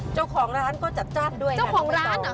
เจ้าของร้านก็จัดจ้านด้วยค่ะ